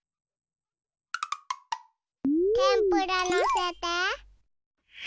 てんぷらのせて。